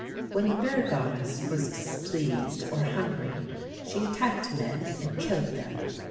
When the bear goddess was displeased or hungry, she attacked men and killed them.